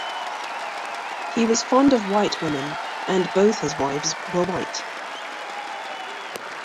He was fond of white women, and both his wives were white.